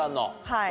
はい。